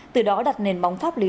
từ đó đặt nền bóng pháp lý